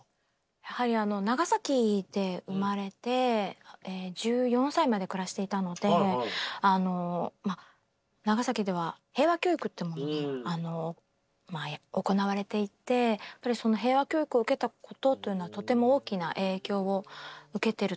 やはり長崎で生まれて１４歳まで暮らしていたので長崎では平和教育というものが行われていて平和教育を受けたことというのはとても大きな影響を受けていると思いますね。